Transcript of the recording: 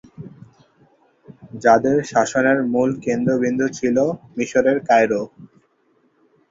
যাদের শাসনের মূল কেন্দ্রবিন্দু ছিল মিশরের কায়রো।